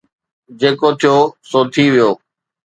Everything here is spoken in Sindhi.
جيڪو ٿيو سو ٿي ويو